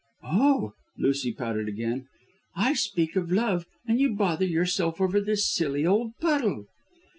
"Oh!" Lucy pouted again. "I speak of love and you bother yourself over this silly old puddle."